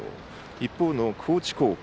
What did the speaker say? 一方の高知高校